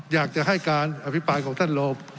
อยากจะให้การอภิปรายของท่านโลภ